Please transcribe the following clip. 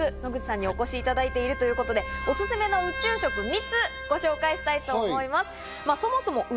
では、せっかく野口さんにお越しいただいているということで、おすすめの宇宙食３つご紹介したいと思います。